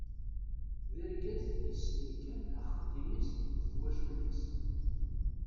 D argaz yessnen kan axeddim-is d twacult-is.